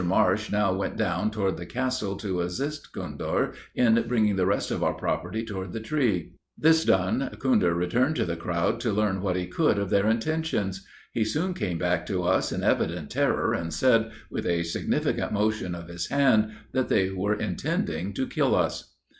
Marsh now went down toward the castle to assist Khudhr in bringing the rest of our property toward the tree. This done, Khudhr returned to the crowd to learn what he could of their intentions. He soon came back to us in evident terror, and said, with a significant motion of his hand, that they were intending to kill us."